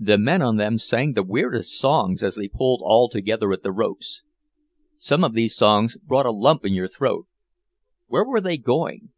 The men on them sang the weirdest songs as they pulled all together at the ropes. Some of these songs brought a lump in your throat. Where were they going?